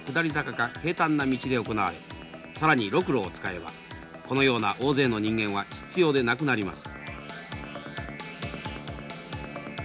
平たんな道で行われ更にロクロを使えばこのような大勢の人間は必要でなくなります。